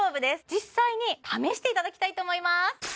実際に試していただきたいと思います